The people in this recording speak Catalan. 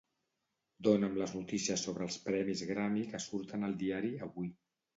Dona'm les notícies sobre els premis Grammy que surten al diari "Avui".